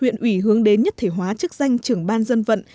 huyện ủy hướng đến nhất thể hóa chức danh trưởng ban dân vận